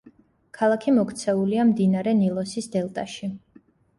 ქალაქი მოქცეულია მდინარე ნილოსის დელტაში.